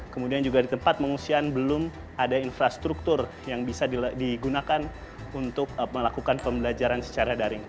kemudian juga di tempat pengungsian belum ada infrastruktur yang bisa digunakan untuk melakukan pembelajaran secara daring